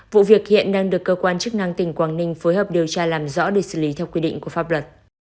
vụ việc hiện đang được cơ quan chức năng tỉnh quảng ninh phối hợp điều tra làm rõ để xử lý theo quy định của pháp luật